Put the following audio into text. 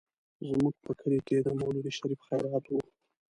زموږ په کلي کې د مولود شريف خيرات و.